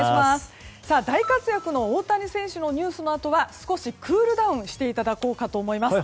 大活躍の大谷選手のニュースのあとは少しクールダウンしていただこうと思います。